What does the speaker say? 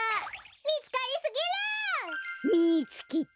みつかりすぎる。みつけた。